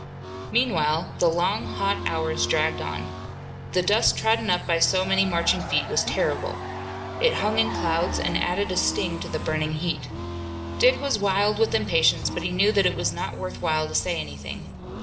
Meanwhile the long, hot hours dragged on. The dust trodden up by so many marching feet was terrible. It hung in clouds and added a sting to the burning heat. Dick was wild with impatience, but he knew that it was not worth while to say anything.